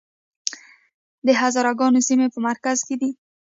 د هزاره ګانو سیمې په مرکز کې دي